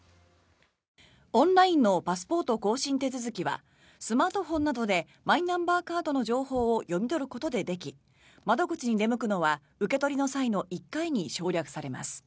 オンラインのパスポート更新手続きはスマートフォンなどでマイナンバーカードの情報を読み取ることででき窓口に出向くのは受け取りの際の１回に省略されます。